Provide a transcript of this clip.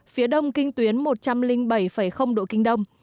phía đông kinh tuyến một trăm linh bảy độ k